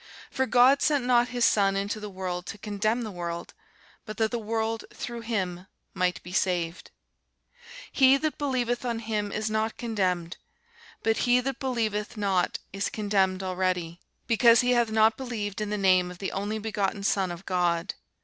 For God sent not his Son into the world to condemn the world; but that the world through him might be saved. He that believeth on him is not condemned: but he that believeth not is condemned already, because he hath not believed in the name of the only begotten Son of God.